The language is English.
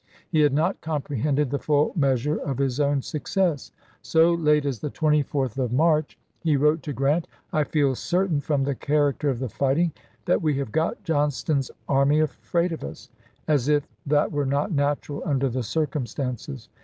He had not comprehended the full measure of his own success. So late as the 24th of March he wrote to Grant, " I feel certain, from the character of the fighting, "MemS'" that we have got Johnston's army afraid of us "— ^>0l3i6." as if that were not natural under the circumstances.